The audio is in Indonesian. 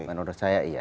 menurut saya iya